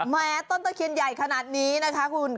แม้ต้นตะเคียนใหญ่ขนาดนี้นะคะคุณ